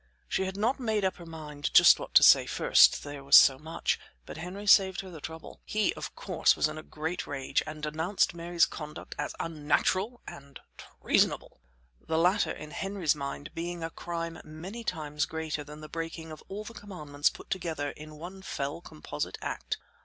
She had not made up her mind just what to say first, there was so much; but Henry saved her the trouble. He, of course, was in a great rage, and denounced Mary's conduct as unnatural and treasonable; the latter, in Henry's mind, being a crime many times greater than the breaking of all the commandments put together, in one fell, composite act.